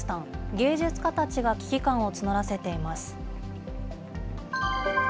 芸術家たちが危機感を募らせています。